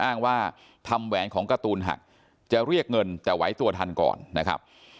อ้างว่าทำแหวนของการ์ตูนหักจะเรียกเงินแต่ไหวตัวทันก่อนนะครับ